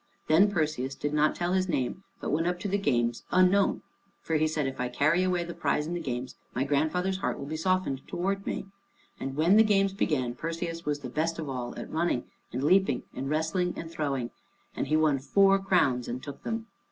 Then Perseus did not tell his name, but went up to the games unknown, for he said, "If I carry away the prize in the games, my grandfather's heart will be softened towards me." And when the games began, Perseus was the best of all at running and leaping, and wrestling and throwing. And he won four crowns and took them.